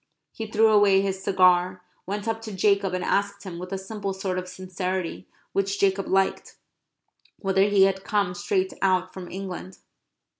He threw away his cigar, went up to Jacob and asked him, with a simple sort of sincerity which Jacob liked, whether he had come straight out from England.